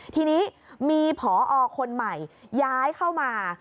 ทีนี้มีผอคนใหม่ย้ายเข้ามา